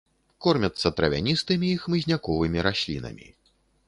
Корміцца травяністымі і хмызняковымі раслінамі.